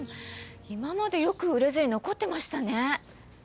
今までよく売れずに残ってましたね。